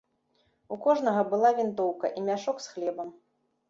У кожнага была вінтоўка і мяшок з хлебам.